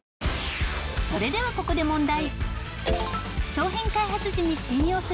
それではここで問題。